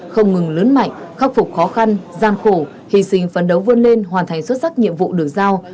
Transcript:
không ngừng lớn mạnh khắc phục khó khăn gian khổ hy sinh phấn đấu vươn lên hoàn thành xuất sắc nhiệm vụ được giao